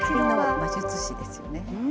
美術史ですよね。